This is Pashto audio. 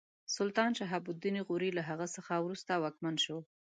سلطان شهاب الدین غوري له هغه څخه وروسته واکمن شو.